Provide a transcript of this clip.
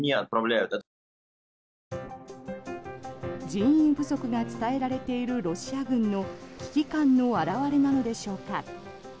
人員不足が伝えられているロシア軍の危機感の表れなのでしょうか。